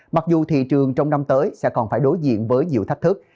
mặc dù thị trường trong năm tới sẽ còn phải đối diện với nhiều thách thức